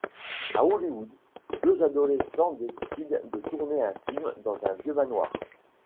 À Hollywood, deux adolescents décident de tourner un film dans un vieux manoir.